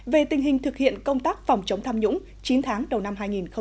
về tình hình thực hiện công tác phòng chống tham nhũng chín tháng đầu năm hai nghìn hai mươi